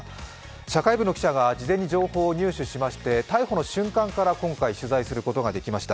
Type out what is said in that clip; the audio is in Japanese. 社会部の記者が事前に情報を入手していて、逮捕の瞬間から今回取材することができました。